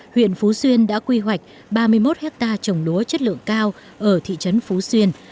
huyện phú xuyên đã quy hoạch ba mươi một hectare trồng lúa chất lượng cao ở thị trấn phú xuyên